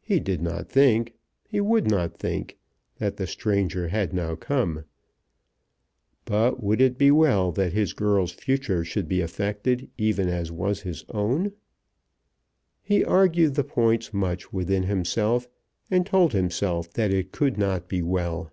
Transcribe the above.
He did not think, he would not think, that the stranger had now come; but would it be well that his girl's future should be affected even as was his own? He argued the points much within himself, and told himself that it could not be well.